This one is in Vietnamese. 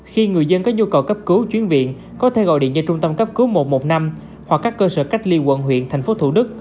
khi người dân có nhu cầu cấp cứu chuyến viện có thể gọi điện cho trung tâm cấp cứu một trăm một mươi năm hoặc các cơ sở cách ly quận huyện tp th